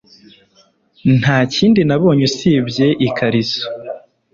Nta kindi nabonye usibye ikariso.